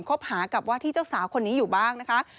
คบหากับว่าที่เจ้าสาวคนนี้อยู่บ้างนะคะ